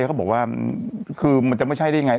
เขาบอกว่าคือมันจะไม่ใช่ได้ไง